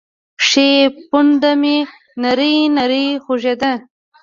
ښۍ پونده مې نرۍ نرۍ خوږېده.